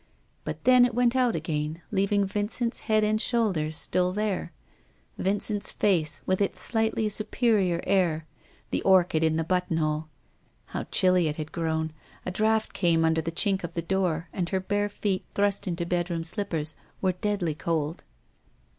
But then it went out again, leaving Vincent's head and shoulders still there ; Vincent's face, with its slightly superior air, the orchid in the buttonhole. How chilly it had grown ! A draught came under the chink of the door, and her bare feet, thrust into bed room slippers, were deadly cold.